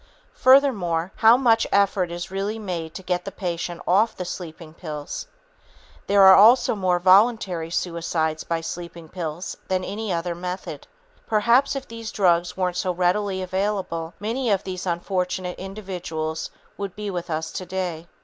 Furthermore, how much effort is really made to get the patient off the sleeping pills? There are also more voluntary suicides by sleeping pills than by any other method. Perhaps if these drugs weren't so readily available, many of these unfortunate individuals would be with us today.